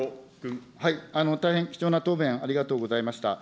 大変貴重な答弁、ありがとうございました。